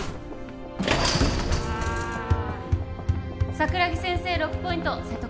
桜木先生６ポイント瀬戸